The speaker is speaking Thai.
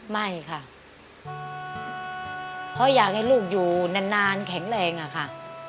ไม่ค่ะเพราะอยากให้ลูกอยู่นานแข็งแรงอะค่ะ